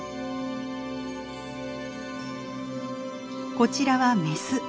こちらはメス。